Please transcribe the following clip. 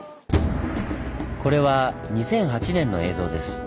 これは２００８年の映像です。